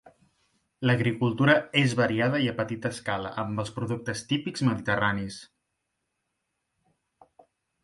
L'agricultura és variada i a petita escala, amb els productes típics mediterranis.